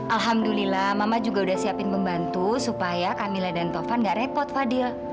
alhamdulillah mama juga sudah siapin pembantu supaya kamilah dan tovan nggak repot fadil